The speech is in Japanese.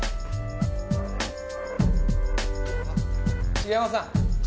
杉山さん